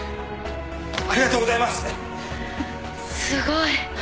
すごい。